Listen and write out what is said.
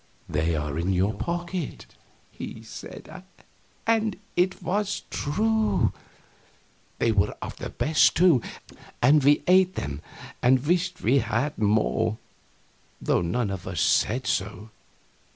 "They are in your pockets," he said, and it was true. And they were of the best, too, and we ate them and wished we had more, though none of us said so.